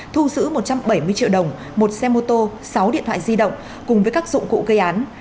thu giữ một trăm bảy mươi triệu đồng một xe mô tô sáu điện thoại di động cùng với các dụng cụ gây án